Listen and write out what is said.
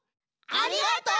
ありがとう！